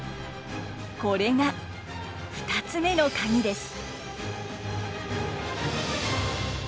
これが２つ目のカギです。